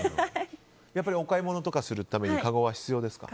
やっぱりお買い物をするためにかごは必要ですか？